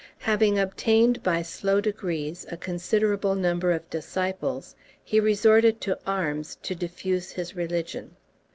Having obtained by slow degrees a considerable number of disciples, he resorted to arms to diffuse his religion.